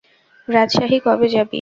রাজশাহী কবে যাবি?